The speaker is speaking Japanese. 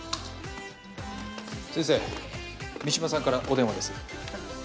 先生三島さんからお電話です。